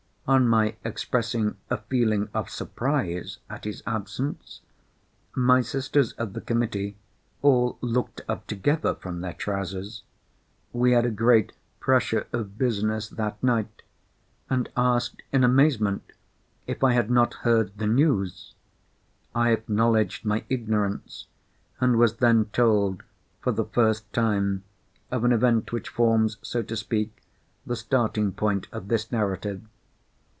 On my expressing a feeling of surprise at his absence, my sisters of the Committee all looked up together from their trousers (we had a great pressure of business that night), and asked in amazement, if I had not heard the news. I acknowledged my ignorance, and was then told, for the first time, of an event which forms, so to speak, the starting point of this narrative.